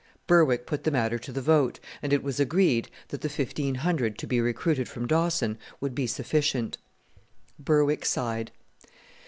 Berwick put the matter to the vote, and it was agreed that the fifteen hundred to be recruited from Dawson would be sufficient. Berwick sighed.